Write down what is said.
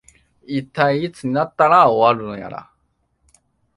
いったい、いつになったら終わるのやら